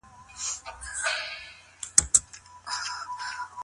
لوبې د هیواد ویاړ لوړوي.